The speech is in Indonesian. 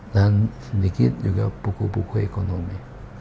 sedikit juga buku buku ekonomi